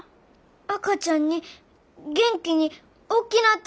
赤ちゃんに元気におっきなってほしい。